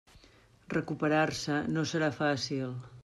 Recuperar-se no serà fàcil.